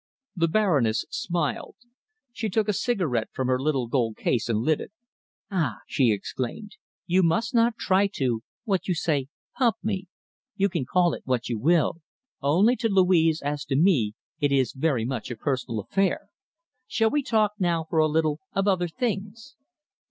The Baroness smiled. She took a cigarette from her little gold case and lit it. "Ah!" she exclaimed, "you must not try to, what you say, pump me! You can call it what you will. Only to Louise, as to me, it is very much a personal affair. Shall we talk now, for a little, of other things?"